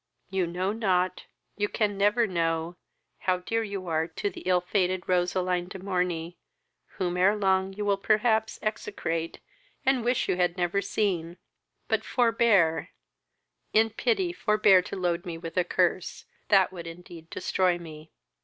You know not, you can never know, how dear you are to the ill fated Roseline de Morney, whom ere long you will perhaps execrate, and wish you had never seen; but forbear, in pity forbear to load me with a curse, that would indeed destroy me."